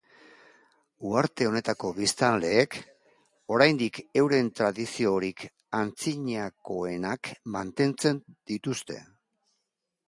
Uharte honetako biztanleek, oraindik euren tradiziorik antzinakoenak mantentzen dituzte.